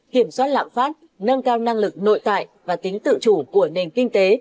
kiểm soát lạm phát nâng cao năng lực nội tại và tính tự chủ của nền kinh tế